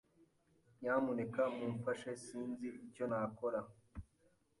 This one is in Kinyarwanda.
Nyamuneka mumfashe. Sinzi icyo nkora.